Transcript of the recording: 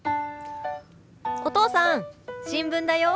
お父さん新聞だよ。